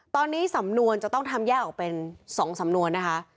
ตอนนี้สำนวนจะต้องทำแยกออกเป็น๒สำนวนนะคะ